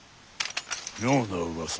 妙なうわさ？